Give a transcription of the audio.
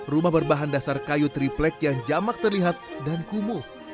rumah berbahan dasar kayu triplek yang jamak terlihat dan kumuh